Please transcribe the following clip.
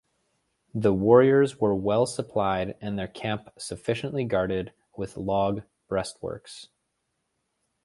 The warriors were well supplied and their camp sufficiently guarded with log breastworks.